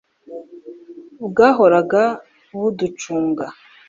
bwahoraga buducunga